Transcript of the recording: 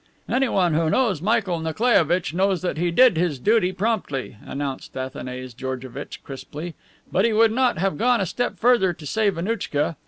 "Anyone who knows Michael Nikolaievitch knows that he did his duty promptly," announced Athanase Georgevitch crisply. "But he would not have gone a step further to save Annouchka.